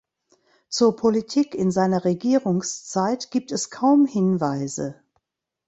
Zur Politik in seiner Regierungszeit gibt es kaum Hinweise.